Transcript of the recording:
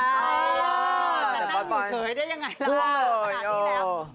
แต่นั่งอยู่เฉยได้ยังไงล่ะ